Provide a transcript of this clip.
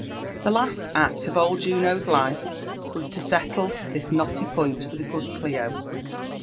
The last act of old Juno's life was to settle this knotty point for the good Clio.